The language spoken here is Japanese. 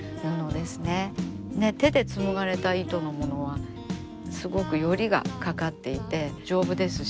手で紡がれた糸のものはすごくよりがかかっていて丈夫ですし。